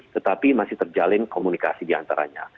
tetapi masih terjalin komunikasi di antaranya